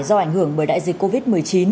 do ảnh hưởng bởi đại dịch covid một mươi chín